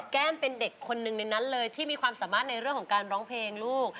แก้มเป็นเด็กคนหนึ่งในนั้นเลยที่มีความสามารถในเรื่องของการร้องเพลงลูก